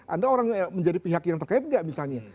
anda orang menjadi pihak yang terkena tidak misalnya